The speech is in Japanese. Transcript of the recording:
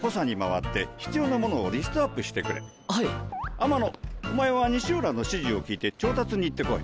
天野お前は西浦の指示を聞いて調達に行ってこい。